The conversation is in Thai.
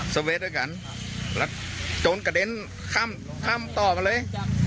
เวทด้วยกันแล้วโจรกระเด็นข้ามต่อไปเลย